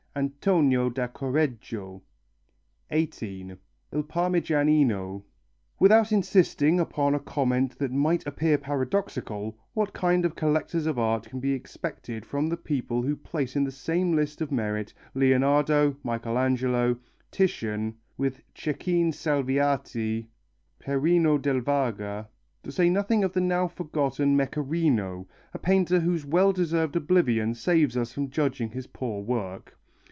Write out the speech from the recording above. Antonio da Correggio. 18. Il Parmigianino. Without insisting upon a comment that might appear paradoxical, what kind of collectors of art can be expected from people who place in the same list of merit Leonardo, Michelangelo, Titian, with Cecchin Salviati, Perino del Vaga, to say nothing of the now forgotten Mecherino, a painter whose well deserved oblivion saves us from judging his poor work.